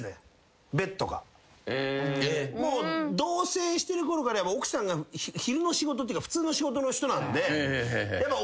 もう同棲してるころから奥さんが昼の仕事っていうか普通の仕事の人なんでやっぱ起こしちゃう。